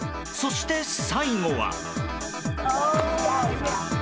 そして、最後は。